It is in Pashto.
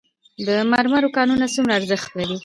د مرمرو کانونه څومره ارزښت لري؟